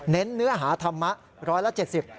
เนื้อหาธรรมะร้อยละ๗๐